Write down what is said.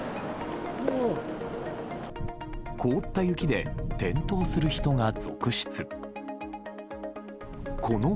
凍った雪で転倒する人が続出。